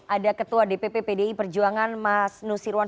ada ketua dpp pdi perjuangan mas nusirwan